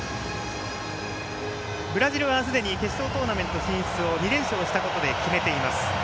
ブラジルはすでに決勝トーナメント進出を２連勝したことで決めています。